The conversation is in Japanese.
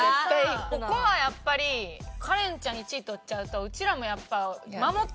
ここはやっぱりカレンちゃん１位取っちゃうとうちらもやっぱ。